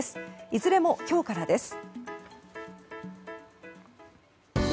いずれも今日からです。